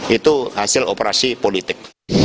itu hasil operasi politik